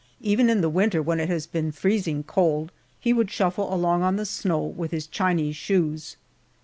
Even in the winter, when it has been freezing cold, he would shuffle along on the snow with his Chinese shoes.